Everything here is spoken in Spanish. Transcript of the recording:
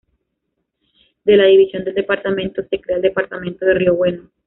De la división del Departamento, se crea el Departamento de Río Bueno.